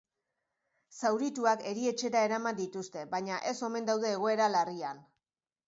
Zaurituak erietxera eraman dituzte, baina ez omen daude egoera larrian.